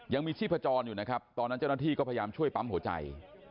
ยังมีชีพจรอยู่นะครับตอนนั้นเจ้าหน้าที่ก็พยายามช่วยปั๊มหัวใจ